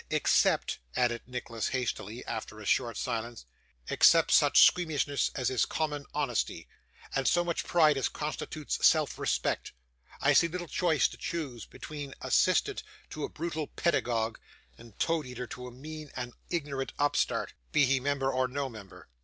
Except ' added Nicholas hastily, after a short silence, 'except such squeamishness as is common honesty, and so much pride as constitutes self respect. I see little to choose, between assistant to a brutal pedagogue, and toad eater to a mean and ignorant upstart, be he member or no member.